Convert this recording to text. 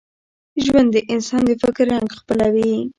ژوند د انسان د فکر رنګ خپلوي.